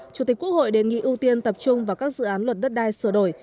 chủ tịch quốc hội đề nghị ưu tiên tập trung vào các dự án luật đất đai sửa đổi